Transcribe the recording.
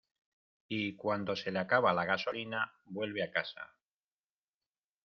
y cuando se le acaba la gasolina, vuelve a casa.